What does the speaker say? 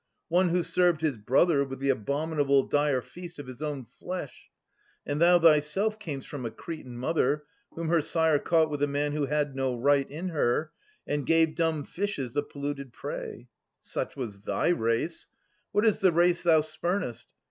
One Who served his brother with the abominable Dire feast of his own flesh. And thou thyself Cam'st from a Cretan mother, whom her sire Caught with a man who had no right in her And gave dumb fishes the polluted prey. Such was thy race. What is the race thou spurnest?